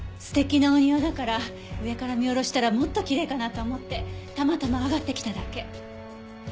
素敵なお庭だから上から見下ろしたらもっときれいかなと思ってたまたま上がってきただけ。